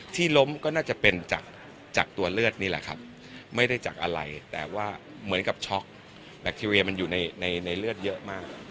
ที่ล้มก็น่าจะเป็นจากตัวเลือดนี่แหละครับไม่ได้จากอะไรแต่ว่าเหมือนกับช็อกแบคทีเรียมันอยู่ในเลือดเยอะมาก